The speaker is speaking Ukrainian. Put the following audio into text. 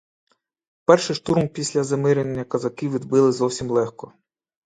Перший штурм після замирення козаки відбили зовсім легко.